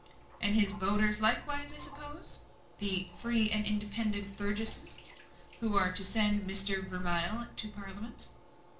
"And his voters likewise, I suppose? the 'free and independent burgesses' who are to send Mr. Vermilye to Parliament?"